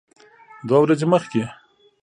دوه ورځې مخکې